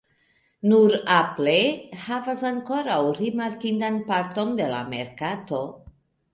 Nur Apple havas ankoraŭ rimarkindan parton de la merkato.